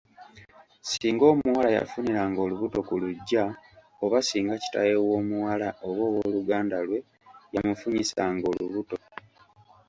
Singa omuwala yafuniranga olubuto ku luggya oba singa kitaawe w’omuwala oba ow’oluganda lwe yamufunyisanga olubuto.